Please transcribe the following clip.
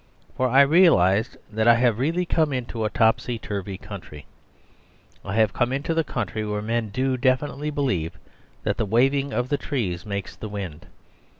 For I realise that I have really come into a topsy turvy country; I have come into the country where men do definitely believe that the waving of the trees makes the wind.